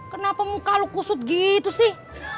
kenapa muka lu kusut gitu sih